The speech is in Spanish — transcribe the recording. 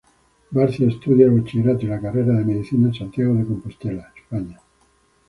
Barcia estudia el Bachillerato y la carrera de Medicina en Santiago de Compostela, España.